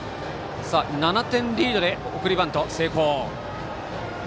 ７点リードで送りバント成功。